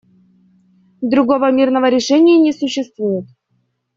Другого мирного решения не существует.